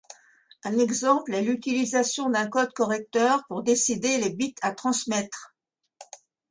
Un exemple est l'utilisation d'un code correcteur pour décider les bits à transmettre.